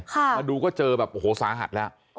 มาดูก็เจอแบบโอ้โหสาหัสแล้ว